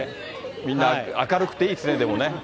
みんな明るくていいですね。